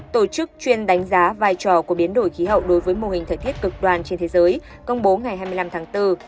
tổ chức chuyên đánh giá vai trò của biến đổi khí hậu đối với mô hình thời tiết cực đoan trên thế giới công bố ngày hai mươi năm tháng bốn